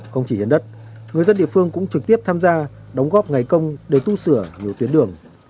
không chỉ hiến đất người dân địa phương cũng trực tiếp tham gia đóng góp ngày công để tu sửa nhiều tuyến đường